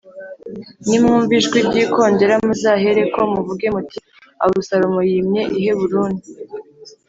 Nimwumva ijwi ry’ikondera muzahereko muvuge muti ‘Abusalomu yimye i Heburoni.’